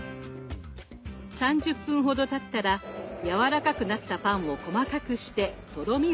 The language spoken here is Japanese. ３０分ほどたったらやわらかくなったパンを細かくしてとろみをつけます。